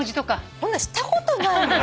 そんなのしたことないよ！